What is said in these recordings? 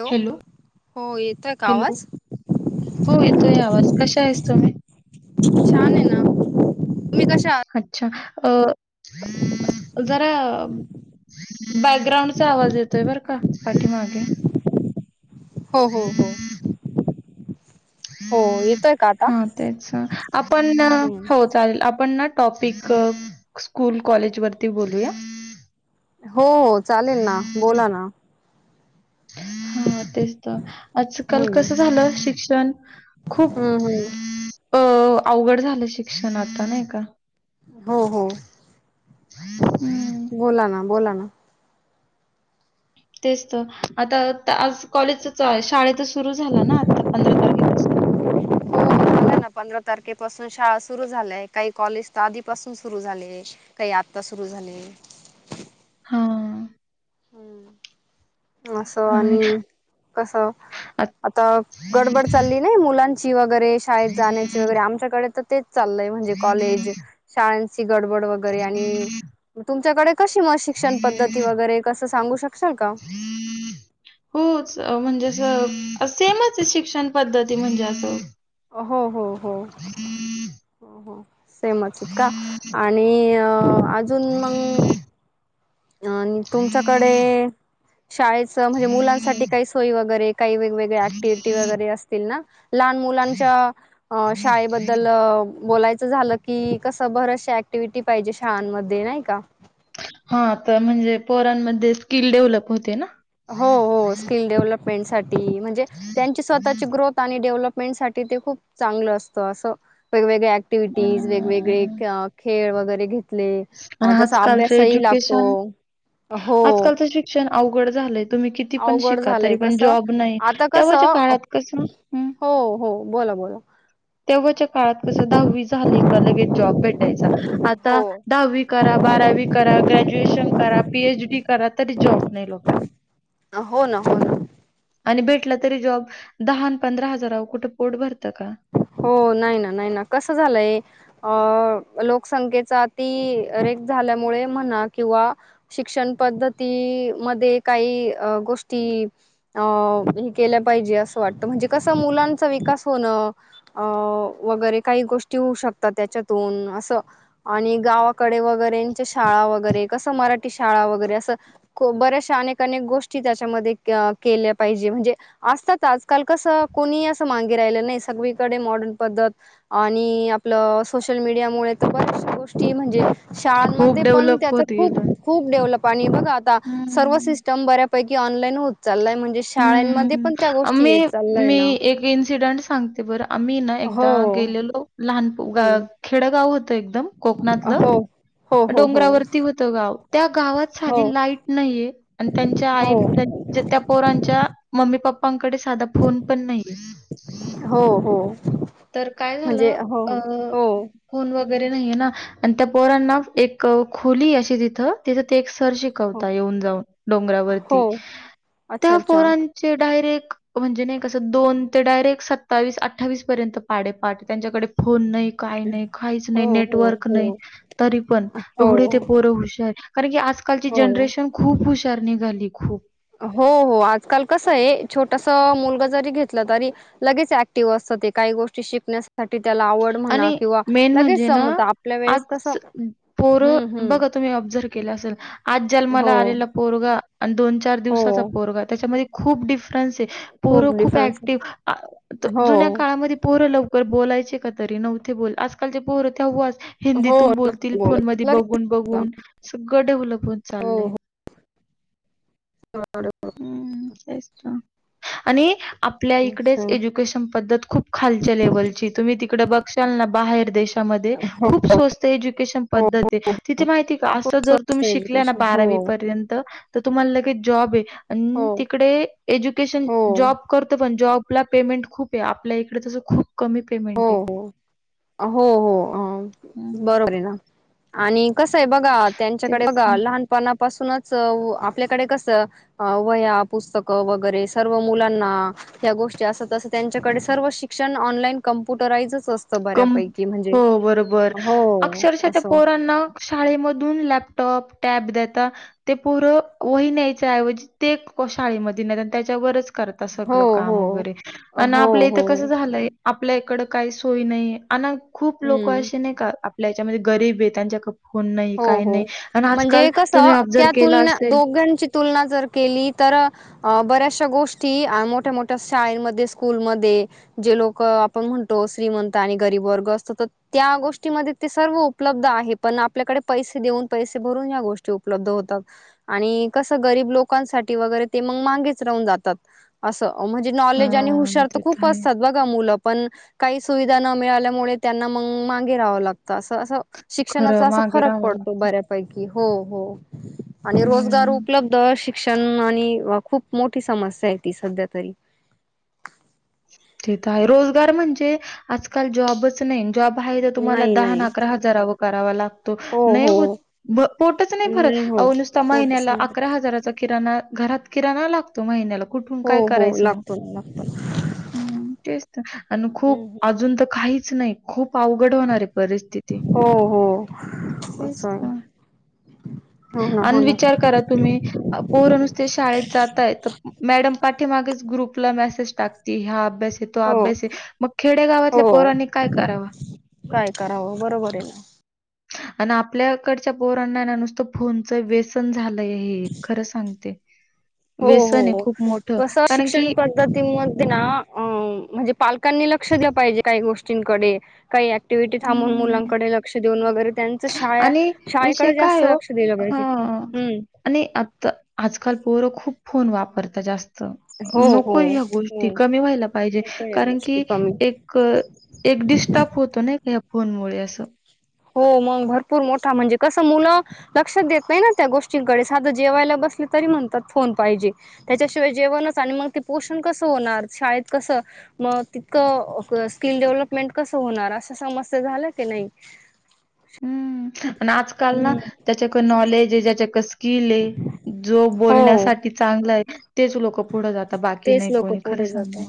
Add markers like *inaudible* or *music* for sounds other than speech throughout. Hello हो येतोय का हॅलो. आवाज? हो येतोय यावाज कश आहेस तुम्ही छान आहे ना तुम्ही कशा आहात अच्छा अ *inaudible* जरा बॅकग्राउंडचा आवाज येतोय बरं का पाठीमागे हो हो हो हो येतोय का आता हा तेच आपण हम्म हो चालेल आपण ना टॉपिक स्कूल कॉलेज वरती बोलूया हो हो चालेल ना बोला ना *inaudible* तेच तर आजकाल हम्म कस झालं शिक्षण खूप हम्म हम्म अ अवघड झालं शिक्षण आता नाही का हो हो हं, बोला ना बोला ना तेच तर आता आज कॉलेज शाळ तर सुरू झालं ना आता पंधरा तारखे *unintelligible* झालं पंधरा तारखे पाासून शाळा सुरु झालय काही कॉलेज तर आधीपासून सुरू झाली काही आता सु सुरू झाले *inaudible* हां, ह् अस हां. आणि कस आता गडबड चालली नाही मुलांची वगैरे शाळेत जाण्याची वगैरे आमच्याकडे तर तेच चाललंय म्हणजे कॉलेज शाळची गडबड वगैरे आणि मग तुमच्याकडे कशी मग शिक्षण पद्धती वगैरे अस सांगू शक शाल का होच म्हणजे अस सेमच शिक्षण पद्धती म्हणजे असं हो हो *inaudible* हो हो सेमच हायत का आणि अ अजून मंग आणि तुमच्याकडे शाळेच म्हणजे मुलांसाठी काही सोय वगैरे काही वेगवेगळ्या ऍक्टिव्हटी वगैरे असतील ना लहान मुलांच्या अ शाळेबद्दल बोलायचं झालं की कसं बरचशा ऍक्टिव्हटी पाहिजे शाळांमध्ये नाही का हा तर म्हणजे पोरांमध्ये स्किल डेव्हलप होते ना हो हो स्किल डेव्हलपमेंट साठी म्हणजे त्यांची स्वतःची ग्रोथ आणि डेव्हलप पमेंट साठी खूप चांगल असतं अस वेगवेगळ्या अँक् क्टिव्हटीज वेगवेगळे हम्म. खेळ वगैरे घेत आणि तसा आजकालच अभ्यास ही लागतो एज्युकेशन हो आजकालचं शिक्षण अवघड झालंय तुम्ही किती पण अवघड शिका झालंय तरी पण कसं जॉब नाही आता तेव्हाच्या् कसं काळात कसं हो हो बोला बोला तेव्हाच्या काळात कस दहावी झाली ली बी जॉब भेटायचा हो आता दहावी करा बारावी करा ग्रॅज्युएशन करा पीएचडी करा तरी जॉब नाही लोकांना हो ना हो ना आणि भेटला तरी जॉब दहा पंधरा हजाराह कुठे पोट भर हो नाही ना नाही ना कसं झालंय अ लोकसंख्येचा ति रेख झाल्यामुळे म्हणा किंवा शिक्षण पद्धती का गोष्टी केल्या पाहिजे अस वाटत म्हणजे मुलांचा विकास होणं अ वगरे काही गोष्ट होऊ शकतात त्याच्यातून अस आणि गावाकडे रे शाळा वगैरे कस मराठी शाळा वगैरे असं बऱ्याचशा अनेक अनेक गोष्टी के पाहिजे म्हणजे असतात आजकाल कस कोणी अस मागे राहिलं नाही सगळीकडे मॉडर्न पद्धत आणि आपलं सोशल मीडियामुळे तर बऱ्याचश गोष्टी म्हणजे खूप शाळांमध्ये पण डेव्हलप त्याच होत खूप गेलं. खूप डेव्हलप आणि बघ आता सर्व हम्म. सिस्टम बऱ्या ैकीऑलाईन हो हम्म मी येत चाललाय मी ना एक इन्सिडेंट सांगते बरं आम्ही ना हो एकदा गेलेलो लहान हम्म खेडगाव होतं एकदम कोकणातलं हो हो हो हो डोंगरावरती होत गाव त्या गावात हो साधी लाईट नाहीये आणि त्यांच्या आई हो जे त्या पोरांच्या मम्मी पप्पांकडे साधा फोन पण नाही हो हो तर काय म्हणजे झालं हो हो फोन व त्या पोर एक खोली तिथ त सर हो शिकवता येऊन जाऊन हो डोंगरावरती अच्छा त्या अच्छा पोरांचे डायरेक्ट म्हणजे नाही कसं दोन ते डायरेक्ट सत्तावीस अठ्ावीस र्यंत पा त्यांच्याकडे फोन नाही काही नाही काहीच हो नाही हो नेटवर्क हो नाही तरी पण हो एवढे ते पोर हु कारण क आजकालची हो जनरेशन खूप हुशार निघाली खूप हो हो आजकाल कस आहे छोटस मुलग जरी घेतलं तरी लगेच ऍक्टिव्ह असत काही गोष्टी शिकण्यासाठी त्याला आवड म्हणा आणि किंवा मेन लगेच म्हणजे ना, जमत आपल्या वेळेस कसं आज हम्म हम्म ऑबझर्व केलं असेल आज जन्माला आलेला पोरगा आणि दोन चार हो. दिवसाचा पोरगा त्याच्यामध्ये खूप डिफ फ पोर खूप डिफरन्स आहे. ऍक्टिव्ह जुन्या हो, काळामध्ये पोरं लवकर बोलायचे तरी न्ह बोल आजकालचे पोर ते ह हो. हिंदीतून नक्की बोलतील बोलत. फोन म लगेच बघून होतं. बघून सगळं ढवलपून हो, चाललंय हो. हम् तेच तो आणि आपल्या इकडेच हो, एज्युकेशन पद्धत खूप खालच्या लेवलची तुम्ही त बाहे दे खत प हो. त मा तम् श एज्युकेशन. हो, बार् तु ले जब हो, तिकडे एज्युकेशन हो, जॉ करत पण जब आपला पेमेंट खूप आहे आपल्या इकडे तसं खूप कमी हो, पेमेंट आहे हो हो हं, हं. बरोबर आहे ना आणि कसं आहे बघा त्यांच्याकडे तेच ना. बघा लहानपणा पासूनच आपल्याकडे कसं वया पुस्तकं वगैरे सर्व मुलांना ह गोष्टी असतं त्यांच्याकडे सर्व शिक्षण ऑनलाइन कम्प्युटराजच असतं कम बऱ्यापैकी म्हणजे हो बरोबर हो अक्षरशः त्या असं पोरांना शाळेमधून लॅपटॉप टॅब दता ते पूरं वही न्यायचऐवजी ते शाळेमध्ये न त्याच्यावरच स हो हो काम वरे हो आप इथ हो कस झालंय आपल्या इड का होय नाही अ खूप लोक हम्म असे नाही का आपल्या याच्यामध्ये गरीब आहे त्यांच्या ख हो हो म्हणजे कस तुम्ही ऑब्झर्व्ह त्या केलं तुलना असेल दोघांची तुलना जर केली तर अ बऱ्याचशा गोष्टी मोठ्या मोठ्या शाळेमध्ये स्कूलमध्ये जे लोक आपण म्हणो श्री म्हण आणि गरीब वर्ग असत तर त्या गोष्टीमध्ये ते सर्व उपलब्ध आहे पण आपल्याकडे पैसे देऊन पैसे भरून या गोष्टी उपलब्ध होतात आणि कस गरीब लोकांसाठी वगर ज म्हणजे न हु हां, ते तर खप आहे. असतात पण काही सुविधा न मिळाल्यामुळे त्यांना मग मागे राहावं लागतं असं असं खरं शिक्षणाचा असा मागे फरक राहावं पडतो लागतं. बऱ्यापैकी हो हो आणि रोजगार हं. उपलब्ध शिक शण खूप मोठी समस्या आहे ती सध्या तरी ते आहे रोजगार म्हणजे आजकाल जॉबच नाही जॉब आहे तर तुम्हाला नाही दहा नाही अकरा हजारा वं करावा लागतो हो पोटच नाही भरत हो अ नुस होच महिन्याला अकरा हजाराचा किराणा घरात किरा ना लागतो महिन्याला कुठून हो काय हो करायचं मग लागतो ना लागतो ना हम् तेच तर आणि हम्म खूप हम्म. अजून तर काहीच नाही खूप पावघड होणार आहे परिस्थिती हो हो असं तेच आहे. हो अन हो ना विचार करा तुम्ही पोर नुसते शाळेत जाताय तर मॅडम पाठीमागेच ग्रुप म टा अभ्यास आहे तो हो अभ्यास आहे मग खेडेगावातल्या हो पोरांनी काय कराव हो बरोबर आहे ना आणि आपल्याकडच्या पोरणाना नुसतं फोनचं व्यसन झालंय हे खरं सांगते हो व्यसन आहे हो खूप मोठं. बस कारण की शिक्षण पद्धती म ना अ म्हणजे पालकांनी लक्ष दिलं पाहिजे काही गोष्ट डे काही ऍक्टिव्हटी थांबून हं. मुलांकडे लक्षऊन वैरे शा आणि विषय शाळेकडे काय जास्त आहे ओ लक्ष दिलं पाहिजे हां. हम् आणि आता आजकाल पोरो खूप फोन वापरत जास्त हो हो नको ह्या हो गोष्टी कमी व्हायला पाहिजे नको या कारण गोष्टी की कमी एक डिस्टब होतो नाही का या फोनमुळे असं हो मग भरपूर मोठा म्हणजे कसं मुलं लक्षात देत नाही ना त्या गोष्टींकडे साधं जेवायला बस अस तरी म्हणतात फन पाहिजे त्याच्याशिवाय जेवणच आणि मग ते पोषण कसं होणार शाळेत कसं मग तितकं स्किल डेव्हलपमेंट कस होणार अस समस्या झाल्या की नाही हम्म आणि आजकाल ना हम्म ज्याच्याक नॉलेज ज्याच्या स्किल आहे जो हो बोलण्यासाठी चांगला आहे तेच लोक पुढं जातात बाकी तेच नाही लोक कोणी खर पुढे जात सग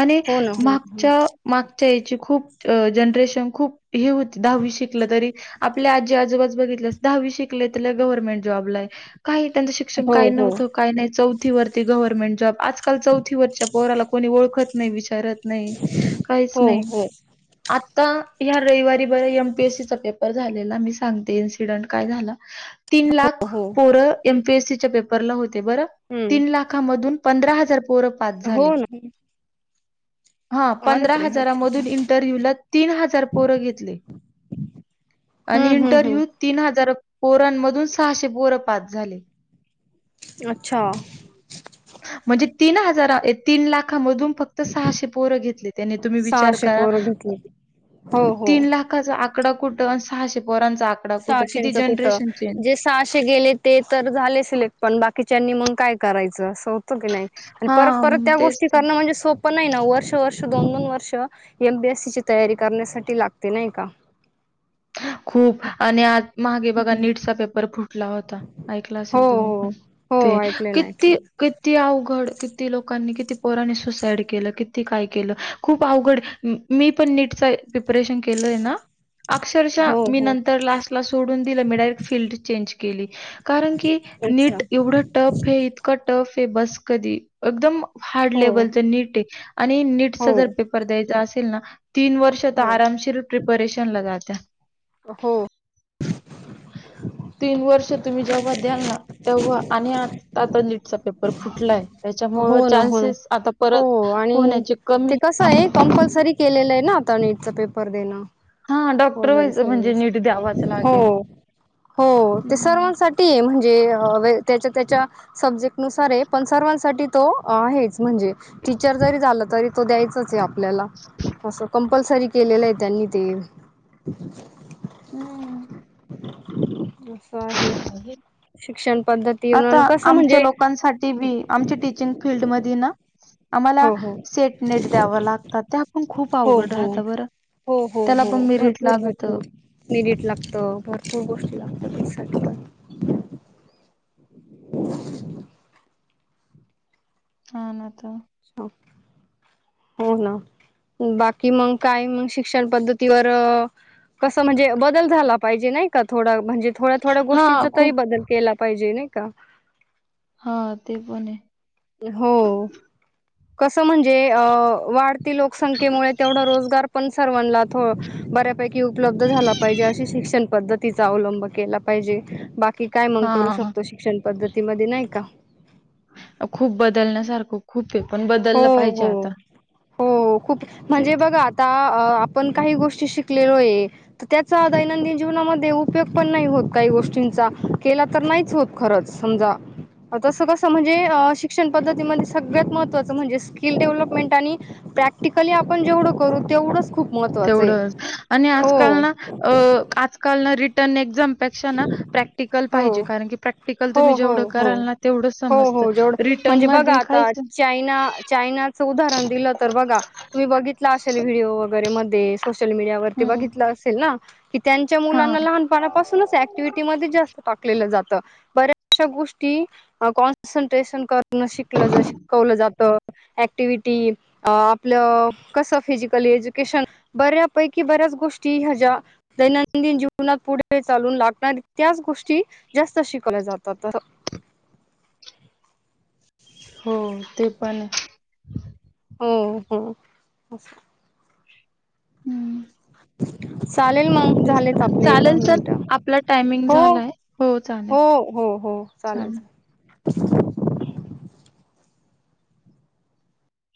आणि हो ना हो ना मागच्याग याची खूप जनरेशन खूप हे होती दहावी शिकलं तरी आपल्या आजी आजोबा बघितल्यास दहावी शिकले त्या गव्हर्नमेंट जॉबला काही त्यांचं शिक्षण हो काय हो नव्हतं काय नाही चौथी वरती गव्हर्नमेंट जॉब आजकाल चौथीवररच्या पोहराला कोणी ओळखत नाही विचारत नाही काहीच हो नाही हो आ आता ह रविवारी बर एमपीएससीचा पेपर झालेला मी सांगते इन्सिडेंट काय झाला तीन लाख हो पोरं एमपीएससीच्या पेपरला होते बर तीन हम्म लाखामधून पंधरा हजार पोर पाच हो झाले ना हा अरे पंधरा बापरे अच्छा अच्छा हजारामधून इंटरव्ह्यूला तीन हजार पोरं घेतले आणि हम्म हम्म हम्म इंटरव्ह्यू तीन हजार पोरांमधून सहाशे पोर पाच झाले अच्छा म्हणजे तीन हजार तीन ला मधून फक्त सहाशे पोर घेतले त्यानी तुम्ही विचार सहाशे करा पोरं घेतली हो हो तीन लाखाचा आकडा कुठं सहाशे पोरांचा आकडा कुठं किती सहाशेचं कुठं जनरेशन चेंज जे सहाशे गेले ते तर झाले सिलेक्ट पण बाकीच्यांनी मग काय करायचं असं होतं की नाही आणि परत हां, परत त्या तेच गोष्टी तर. करणं म्हणजे सोप पण नाही ना वर्ष वर्ष दोन दोन वर्ष एमबीएससीची तयारी करण्यासाठी लागते नाही का खूप आणि आज महागे बघा नीटचा पेपर फुटला होता ऐकला असेल हो तुम्ही पण हो ते हो ऐकले ना किती ऐकले ना. किती अवघड किती लोकांनी किती पोराने सुसाड केलं किती काय केलं खूप अवघड मी पणट प्रिपरेशन केलंय ना अक्षरशः हो मी हो नंतर लास्टला सोडून दिलं मी डायरेक्ट फीलल्ड चेंज केली कारण की अच्छा नीट एवढं टफ हेै इतका टफ ब कधी एकदम हार्ड हो लेवल नीट आहे आणि नीट हो जर पेपर द्या अस तीन वर्ष तर हो आरामशीर प्रिपरेशन ला जाते हो ह तीन वर्ष तुम्ही जेव्हा द्याल ना तेव्हा आणि आता नीटचा पेपर फुटलाय त्याच्यामुळे हो ना हो ना चान्सेस आता हो परत आणि होण्याचे ते कमी कसं आहे कंपल्सरी केलेलं आहे ना आता नीटचा पेपर देणं हा डॉक्टर वगैरे व्हायचं म्हणजे नीट द्यावाच सर्व हो लागेल. हो ते हम्म. सर्वांसाठी आहे म्हणजे ज त्याच्या त्याच्या सब्जेक्ट नुसार पण सर्वांसाठी तो आहे म्हण टीच जरी झा तरी तो द्याच आपल्याला कपल्सरी केलेलं आहे त्यांनी ते हम्म. बर आहे शिक्षण पद्धती आता म्हणून कसं आमच्या म्हणजे लोकांसाठी बी आमच्या टीचिंग फीलल्डमध्ये ना आम्हाला हो हो सेट नेट द्याव लागतात ते आपण खूप हो अवघड हो राहत बरं हो हो त्याला हो पण मिरिट भरपूर लागत. भरपूर मेरिट लागत भरपूर गोष्टी लागत पैसा पण हा नाता हो ना बाकी मग काय मग शिक्षण पद्धतीवर कसं म्हणजे बदल झाला पाहिजे नाही का थोडा म्हणजे थोड्या थोड्या हा गोष्टींचा तरी खूप बदल केला पाहिजे नाही का हा ते पण आहे हो कसं म्हणजे अ वाढती लोकसंख्येमुळे तेवढा रोजगार पण सर्वांनाला बऱ्यापैकी उपलब् झाला पाहिजे अशी शिक्षण पद्धत तिचा अवलंब केला पाहिजे बाकी काय मग करू हा शकतो शिक्षण पद्धतीमध्ये नाही का खूप बदलण्या सारखं खूप ते पण हो बदललं पाहिजे हो आता हो खूप म्हणजे तेच बघा आता आपण काही गोष्टी शिकलेलो आहे तर त्याचा दैनंदिन जीवनामध्ये उपयोग पण नाही होत का गोष्टींचा केला तर नाहीच होत खरंच समजा तसं कसं म्हणजे शिक्षण पद्धतीमध्ये सगळ्यांत महत्त्वाच स्किल डेव्हलपमेंट आणि प्रॅक्टिकली जेवढ आपण करू तेवढेच तेवढंच आणि आजकाल ना अ आजकाल ना रिटर्न एक्झाम हो पाहिजे कारण की प्रॅक्टिकल तुम्ही हो हो जेवढं हो कराल ना तेवढेच हो समजत हो जेवढं रिटर्न प म्हणजे बघा आता चायना चायनाचं उदाहरण दिलं तर बघा तुम्ही बघितलं असेल व्हिडिओ सोशल मीडियावर हं. बघितले असेल क त्यांच्या हां. मुलांना लहानपणापासूनच ऍक्टिव्हिटी मध्ये जास्त टाकले जाते बऱ्याचशा गोष्टी कॉन्सन्ट्रेशन करून शिकलं शिकवलं जाते ऍक्टिव्हिटी आपलं कसे फिजिकल एज्युकेशन बऱ्यापैकी ब गोष्टी ह्याच्या्या दैनंदिन जीवनात पुढे चालून लागणार त्याच गोष्टी जास्त शिकवल्या जातात *unintelligible* हो ते पण हो हो अस हम्म चालेल मग झालेत आपले दहा चालेल सर मिनटं आपला टायमिंग हो हो झालाय. हो हो हो हो चालेल ह